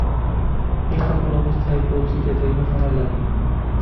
এই-সকল অবস্থায় পৌঁছিতে দীর্ঘ সময় লাগে।